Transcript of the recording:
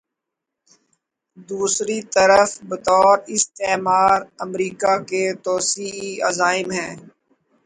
دوسری طرف بطور استعمار، امریکہ کے توسیعی عزائم ہیں۔